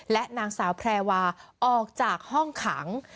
และนางสาวแพรวาออกจากห้องขัง